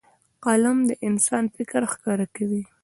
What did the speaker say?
قلم د انسان فکر ښکاره کوي